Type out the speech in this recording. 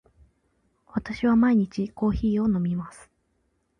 私は毎日コーヒーを飲みます。